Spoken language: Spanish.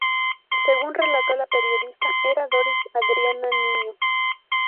Según relató la periodista, “Era Doris Adriana Niño.